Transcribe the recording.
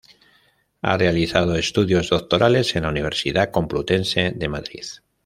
Ha realizado estudios Doctorales en la Universidad Complutense de Madrid.